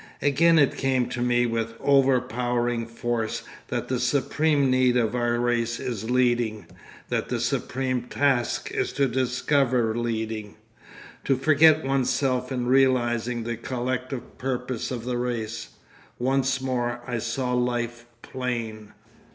Again it came to me with overpowering force that the supreme need of our race is leading, that the supreme task is to discover leading, to forget oneself in realising the collective purpose of the race. Once more I saw life plain....